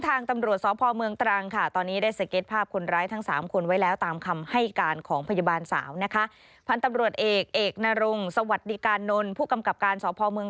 ตอนนั้นชิดว่าถ้ามันล่ากุมพื้น